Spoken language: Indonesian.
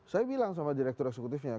saya bilang sama direktur eksekutifnya